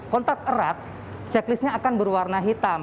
kontak erat checklistnya akan berwarna hitam